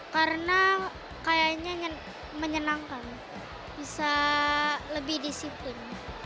karena kayaknya menyenangkan bisa lebih disiplin